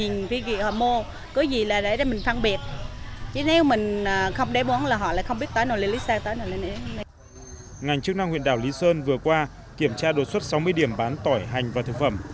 ngành chức năng huyện đảo lý sơn vừa qua kiểm tra đột xuất sáu mươi điểm bán tỏi hành và thực phẩm